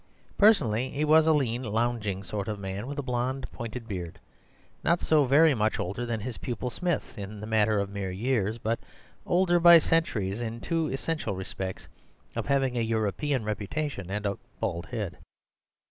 Personally, he was a lean, lounging sort of man, with a blond pointed beard, not so very much older than his pupil Smith in the matter of mere years, but older by centuries in the two essential respects of having a European reputation and a bald head.